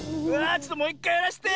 ちょっともういっかいやらせて。